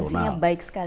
potensinya baik sekali